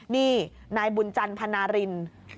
นี่นายบุญจันพนาริน